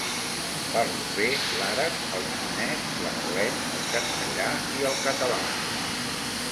Parlo bé l'àrab, el xinès, l'anglès, el castellà i el català.